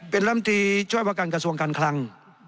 เป็นลำตีช่วยประการกระทรวงการคลัง